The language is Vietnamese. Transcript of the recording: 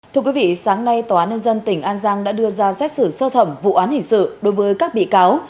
thưa quý vị sáng nay tòa án nhân dân tỉnh an giang đã đưa ra xét xử sơ thẩm vụ án hình sự đối với các bị cáo